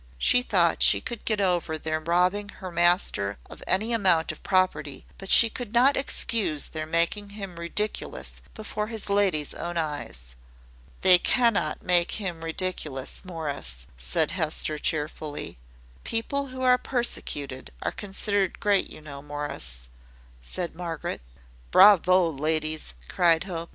She thought she could get over their robbing her master of any amount of property; but she could not excuse their making him ridiculous before his lady's own eyes. "They cannot make him ridiculous, Morris," said Hester, cheerfully. "People who are persecuted are considered great, you know, Morris," said Margaret. "Bravo, ladies!" cried Hope.